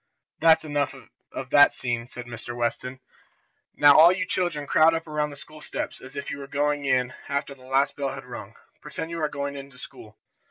"That's enough of that scene," said Mr. Weston. "Now all you children crowd up around the school steps, as if you were going in after the last bell had rung. Pretend you are going into school."